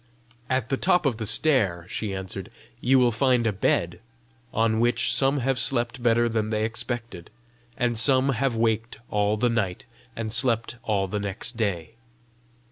"At the top of that stair," she answered, "you will find a bed on which some have slept better than they expected, and some have waked all the night and slept all the next day.